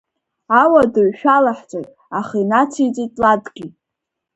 Ауадаҩ шәалаҳҵоит, аха, инациҵеит Ладгьы…